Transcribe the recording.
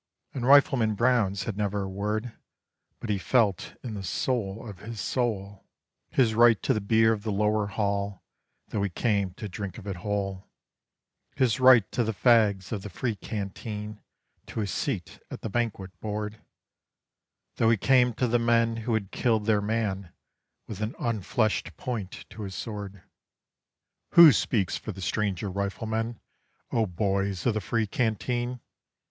And Rifleman Brown said never a word, but he felt in the soul of his soul His right to the beer of the lower Hall though he came to drink of it whole; His right to the fags of the free Canteen, to a seat at the banquet board, Though he came to the men who had killed their man with an unfleshed point to his sword. "_Who speaks for the stranger riflemen, O boys of the free Canteen?